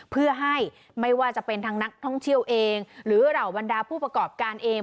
เพื่อให้ไม่ว่าจะเป็นทางนักท่องเที่ยวเองหรือเหล่าบรรดาผู้ประกอบการเอง